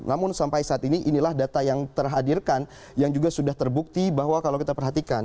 namun sampai saat ini inilah data yang terhadirkan yang juga sudah terbukti bahwa kalau kita perhatikan